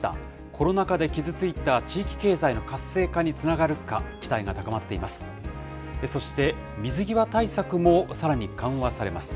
コロナ禍で傷ついた地域経済の活性化につながるか、期待が高まっています。